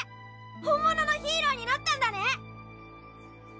⁉本物のヒーローになったんだね